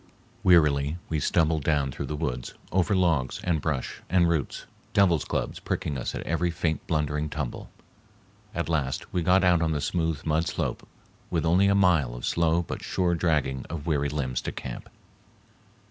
Wearily we stumbled down through the woods, over logs and brush and roots, devil's clubs pricking us at every faint blundering tumble. At last we got out on the smooth mud slope with only a mile of slow but sure dragging of weary limbs to camp.